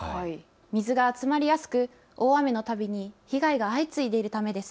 水が集まりやすく大雨のたびに被害が相次いでいるためです。